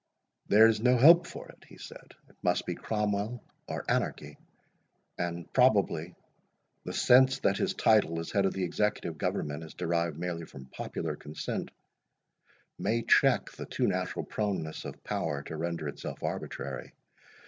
"There is no help for it," he said; "it must be Cromwell or anarchy. And probably the sense that his title, as head of the Executive Government, is derived merely from popular consent, may check the too natural proneness of power to render itself arbitrary.